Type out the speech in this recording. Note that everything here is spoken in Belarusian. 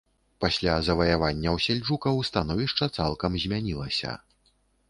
Пасля заваяванняў сельджукаў становішча цалкам змянілася.